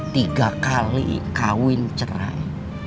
tiga kali kawin cerai